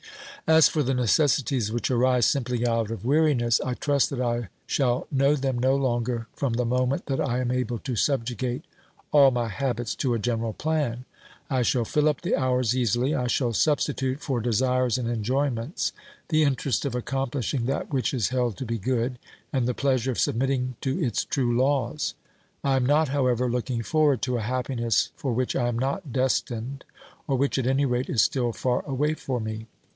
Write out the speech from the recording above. As for the necessities which arise simply out of weariness, I trust that I shall know them no longer from the moment that I am able to subjugate all my habits to a general plan ; I shall fill up the hours easily, I shall substitute for desires and enjoyments the interest of accomplishing that which is held to be good, and the pleasure of submitting to its true laws. I am not, however, looking forward to a happiness for which I am not destined, or which at any rate is still far away for me.